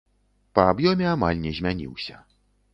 Па аб'ёме амаль не змяніўся.